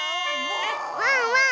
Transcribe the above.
ワンワン